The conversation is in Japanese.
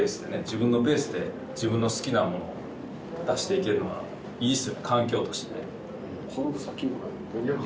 自分のペースで自分の好きなものを出していけるのはいいっすよ